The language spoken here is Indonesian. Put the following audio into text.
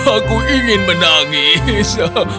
aku ingin menangis